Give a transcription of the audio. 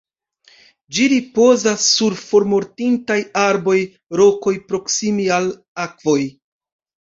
Ĝi ripozas sur formortintaj arboj, rokoj, proksime al akvoj.